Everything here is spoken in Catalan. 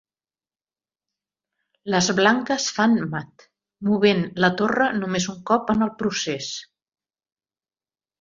Les blanques fan mat, movent la torre només un cop en el procés.